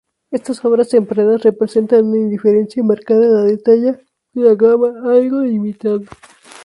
Estas obras tempranas representan una indiferencia marcada a la detalla, una gama algo limitada.